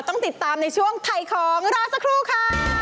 ต้องติดตามในช่วงถ่ายของรอสักครู่ค่ะ